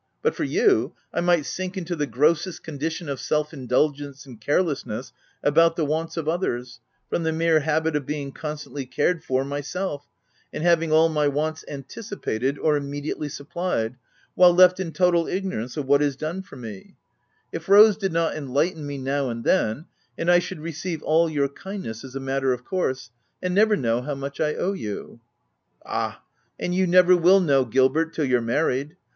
But for you, I might sink into the grossest condition of self indulgence and carelessness about the wants of others, from the mere habit of being con stantly cared for myself, and having all my wants anticipated or immediately supplied, while left in total ignorance of what is done for me, — if Rose did not enlighten me now and then ; and I should receive all your kind ness as a matter of course, and never know how much I owe you." "Ah! and you never will know, Gilbert, till you're married.